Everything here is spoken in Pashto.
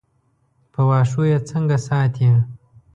په واښو یې څنګه ساتې.